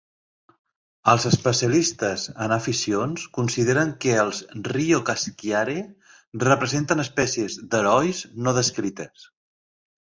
Els especialistes en aficions consideren que els "Rio Casiquiare" representen espècies d'"herois" no descrites.